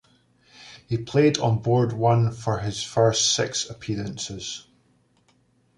He played on board one for his first six appearances.